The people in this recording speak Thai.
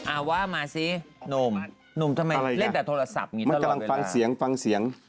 อาวะมาสิหนุ่มหนุ่มทำไมเล่นแต่โทรศัพท์อยู่ตลอดเลยล่ะมันกำลังฟังเสียง